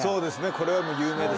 これは有名です。